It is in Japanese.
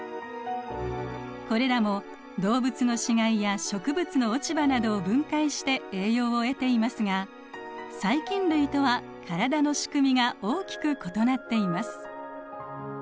これらも動物の死骸や植物の落ち葉などを分解して栄養を得ていますが細菌類とは体の仕組みが大きく異なっています。